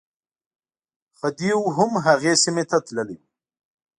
خدیو هم هغې سیمې ته تللی و.